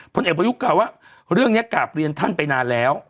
พลเอกประยุทธ์เก่าเรื่องนี้กลับเรียนท่านไปนานแล้ว